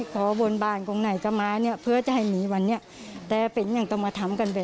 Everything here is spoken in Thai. ทีมข่าวได้คุยกับ